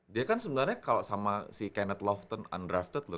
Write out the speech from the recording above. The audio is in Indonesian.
dia kan sebenernya kalo sama si kenneth lofton undrafted ya kan